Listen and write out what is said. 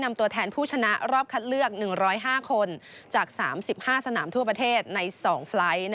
นำตัวแทนผู้ชนะรอบคัดเลือก๑๐๕คนจาก๓๕สนามทั่วประเทศใน๒ไฟล์ท